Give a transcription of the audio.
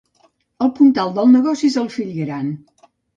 El puntal del negoci és el fill gran.